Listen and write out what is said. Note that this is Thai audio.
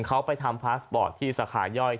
เขาไปทำพาสปอร์ตที่สาขาย่อย